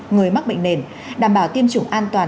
người mắc bệnh nền đảm bảo tiêm chủng an toàn